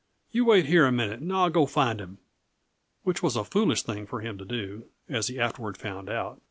You wait here a minute and I'll go find him" which was a foolish thing for him to do, as he afterward found out.